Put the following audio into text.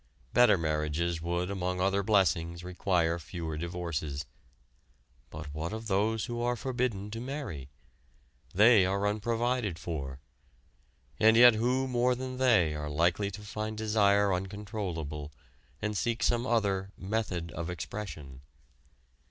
Better marriages would among other blessings require fewer divorces. But what of those who are forbidden to marry? They are unprovided for. And yet who more than they are likely to find desire uncontrollable and seek some other "method of expression"?